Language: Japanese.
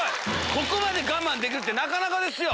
ここまで我慢できるってなかなかですよ。